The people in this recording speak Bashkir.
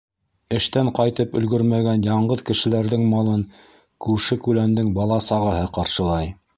Эштән ҡайтып өлгөрмәгән яңғыҙ кешеләрҙең малын күрше-күләндең бала-сағаһы ҡаршылай.